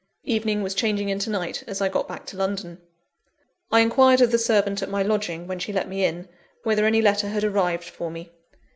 Evening was changing into night as I got back to London. I inquired of the servant at my lodging, when she let me in, whether any letter had arrived for me.